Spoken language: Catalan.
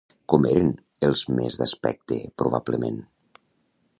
Com eren els mes d'aspecte, probablement?